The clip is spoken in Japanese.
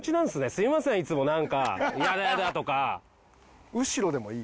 すいませんいつもなんか「やだやだ」とか。